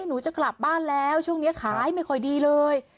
หนูจะกลับบ้านแล้วช่วงนี้ขายไม่ค่อยดีเลย